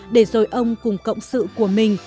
để rồi ông cùng cộng sự của mình